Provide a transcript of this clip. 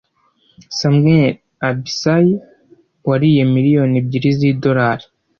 Samuel Abisai wariye miliyoni ebyiri z'idollar